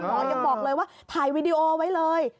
ยังบอกเลยว่าถ่ายวีดีโอไว้เลย